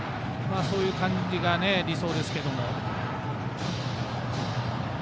そういう感じが理想ですけども。